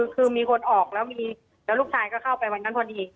คือมีคนออกแล้วมีแล้วลูกชายก็เข้าไปวันนั้นพอดี